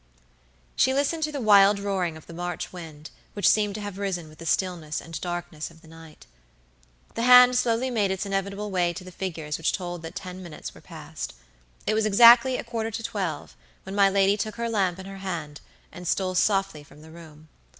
She listened to the wild roaring of the March wind, which seemed to have risen with the stillness and darkness of the night. The hand slowly made its inevitable way to the figures which told that the ten minutes were past. It was exactly a quarter to twelve when my lady took her lamp in her hand, and stole softly from the room.